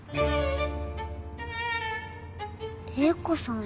英子さん。